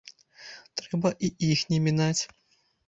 Трэба і іх не мінаць.